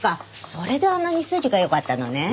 それであんなに筋が良かったのね。